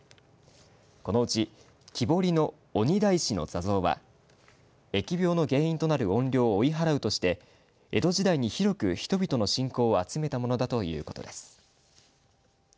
このうち、木彫りの鬼大師の座像は疫病の原因となる怨霊を追い払うとして江戸時代に広く人々の信仰を集めたものだということです。